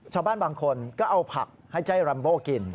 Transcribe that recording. ชาวบ้านบางคนก็เอาผักให้ใจรัมโบกิน